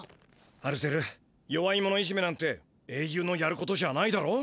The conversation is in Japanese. アルゼル弱い者いじめなんてえいゆうのやることじゃないだろ。